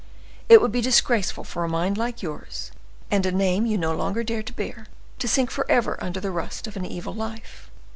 "It would be disgraceful for a mind like yours, and a name you no longer dare to bear, to sink forever under the rust of an evil life.